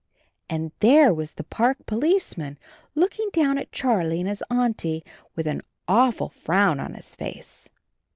And there was the Park Policeman looking down at Charhe and his Auntie with an awful frown on his face.